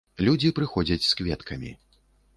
Людзі прыходзяць з кветкамі.